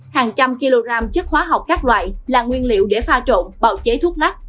hàng trăm kg chất hóa học các loại là nguyên liệu để pha trộn bào chế thuốc lắc